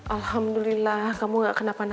alhamdulillah kamu gak kenapa napa